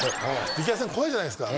力也さん怖いじゃないですか。